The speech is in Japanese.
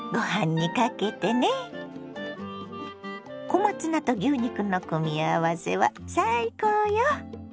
小松菜と牛肉の組み合わせは最高よ。